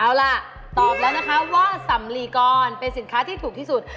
เอาล่ะตอบแล้วนะคะว่าสำลีกรเป็นสินค้าที่ถูกที่สุด